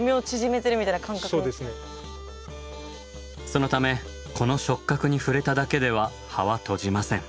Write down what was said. そのためこの触覚に触れただけでは葉は閉じません。